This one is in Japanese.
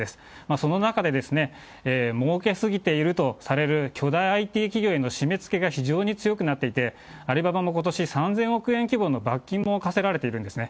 その中で、もうけ過ぎているとされる巨大ＩＴ企業への締めつけが非常に強くなっていて、アリババもことし、３０００億円規模の罰金も科せられているんですね。